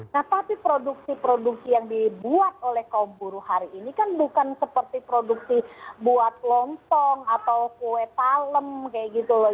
nah tapi produksi produksi yang dibuat oleh kaum buruh hari ini kan bukan seperti produksi buat lontong atau kue talem kayak gitu loh